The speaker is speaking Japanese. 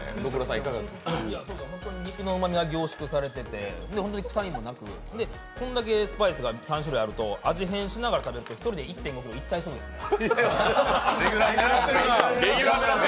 肉のうまみが凝縮されていて臭みもなく、こんだけスパイスが３種類あると、飽きることなく１人で１．５ｋｇ、いっちゃいそうですね。